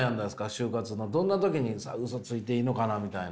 就活のどんな時にウソついていいのかなみたいな。